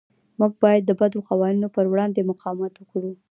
موږ باید د بدو قوانینو پر وړاندې مقاومت وکړو.